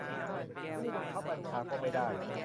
ผู้บังคับบัญชาก็ไม่ได้